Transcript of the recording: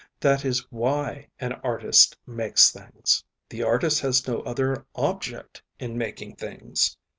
That is why an artist makes things. The artist has no other object in making things.